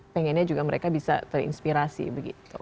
pengennya juga mereka bisa terinspirasi begitu